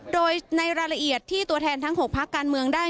โดยในรายละเอียดที่ตัวแทนทั้ง๖พักการเมืองได้